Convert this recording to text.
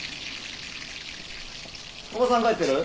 おばさん帰ってる？